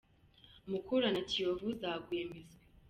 Mukura na kiyovu zaguye miswi